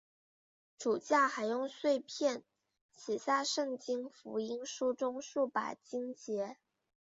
主教还用碎纸片写下圣经福音书中数百经节。